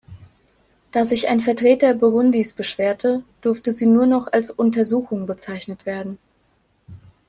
Da sich ein Vertreter Burundis beschwerte, durfte sie nur noch als "Untersuchung" bezeichnet werden.